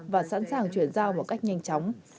và sẵn sàng chuyển giao một cách nhanh chóng